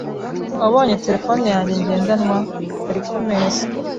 "Wabonye telefone yanjye ngendanwa?" "Ari ku meza."